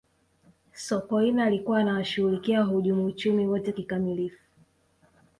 sokoine alikuwa anawashughulikia wahujumu uchumi wote kikamilifu